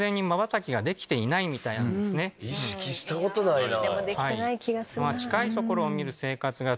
意識したことないなぁ。